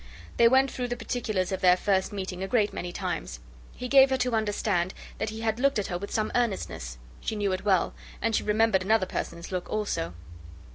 They went through the particulars of their first meeting a great many times. He gave her to understand that he had looked at her with some earnestness. She knew it well; and she remembered another person's look also.